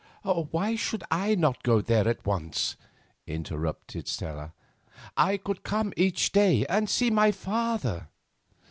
"Why should I not go there at once?" interrupted Stella. "I could come each day and see my father."